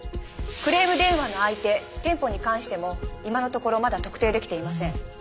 クレーム電話の相手店舗に関しても今のところまだ特定できていません。